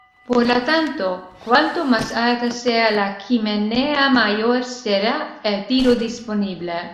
Por lo tanto, cuánto más alta sea la chimenea mayor será el tiro disponible.